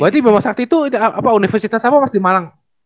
berarti di masakti itu universitas apa pas di malang